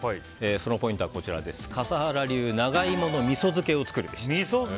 そのポイントはこちら笠原流長イモのみそ漬けを作るべしです。